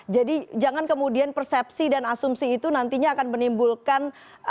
jadi jangan kemudian persepsi dan asumsi itu nantinya akan menimbulkan